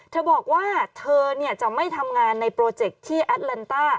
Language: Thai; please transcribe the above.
เธอบอกว่าเธอจะไม่ทำงานในโปรเจคที่แอดลันต้า